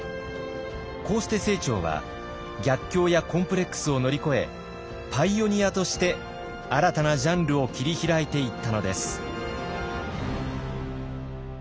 こうして清張は逆境やコンプレックスを乗り越えパイオニアとして新たなジャンルを切り開いていったのです。